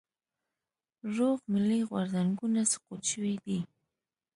روغ ملي غورځنګونه سقوط شوي دي.